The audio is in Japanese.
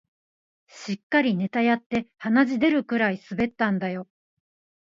しっかりネタやって鼻血出るくらい滑ったんだよ